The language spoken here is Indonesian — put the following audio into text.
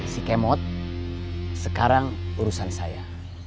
si kemot sekarang urusan saya